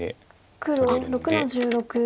黒６の十六ノビ。